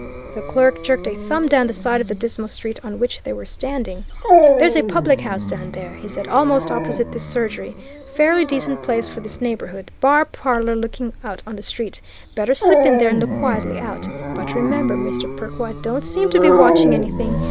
The clerk jerked a thumb down the side of the dismal street on which they were standing. "There's a public house down there," he said, "almost opposite this surgery. Fairly decent place for this neighbourhood bar parlour looking out on the street. Better slip in there and look quietly out. But remember, Mr. Perkwite don't seem to be watching anything.